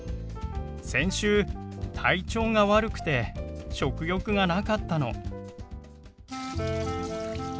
先週体調が悪くて食欲がなかったの。